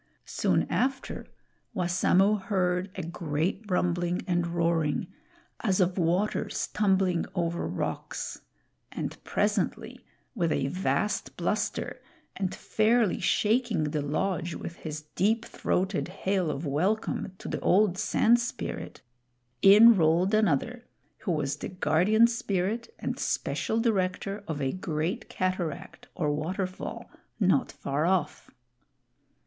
Soon after, Wassamo heard a great rumbling and roaring, as of waters tumbling over rocks; and presently, with a vast bluster, and fairly shaking the lodge with his deep throated hail of welcome to the old Sand Spirit, in rolled another, who was the Guardian Spirit and special director of a great cataract or water fall not far off.